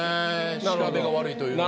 調べが悪いというのか。